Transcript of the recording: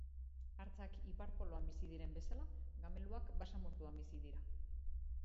Hartzak ipar-poloan bizi diren bezala gameluak basamortuan bizi dira.